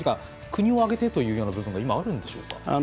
国を挙げてという部分があるんでしょうか？